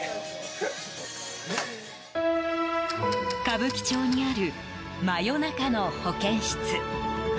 歌舞伎町にある真夜中の保健室。